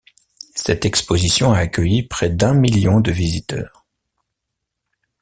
Cette exposition a accueilli près d'un million de visiteurs.